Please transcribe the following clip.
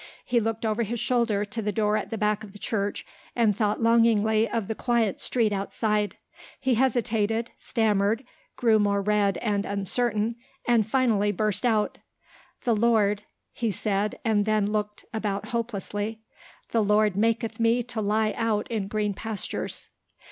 He looked over his shoulder to the door at the back of the church and thought longingly of the quiet street outside. He hesitated, stammered, grew more red and uncertain, and finally burst out: "The Lord," he said, and then looked about hopelessly, "the Lord maketh me to lie out in green pastures."